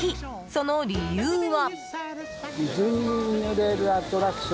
その理由は。